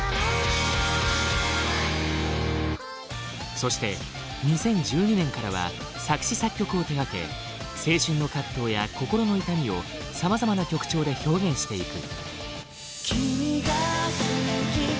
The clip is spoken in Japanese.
そして２０１２年からは作詞作曲を手がけ青春の葛藤や心の痛みをさまざまな曲調で表現していく。